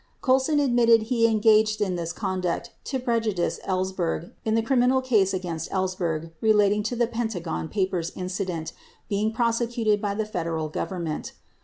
Colson admitted he engaged in this conduct to prejudice Ellsberg in the criminal case against Ellsberg relating to the Pentagon Papers' incident being prosecuted by the Federal Government.